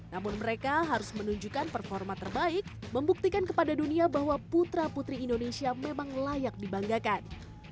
namun mereka harus menunjukkan performa terbaik membuktikan kepada dunia bahwa putra putri indonesia memang layak dibanggakan